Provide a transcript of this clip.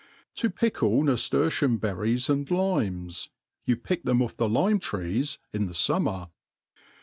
To pickle Naftirtium Berries and Limes ; you pick them off tht Lime Trees in the Summer.